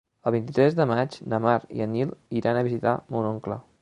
El vint-i-tres de maig na Mar i en Nil aniran a visitar mon oncle.